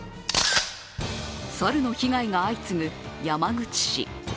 サルの被害が相次ぐ、山口市。